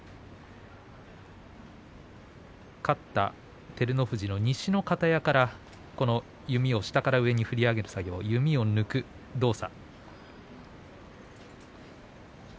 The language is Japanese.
勝った照ノ富士の西の方屋からこの弓を下から上に振り上げる作業弓を抜く動作。